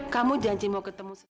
kamu janji mau ketemu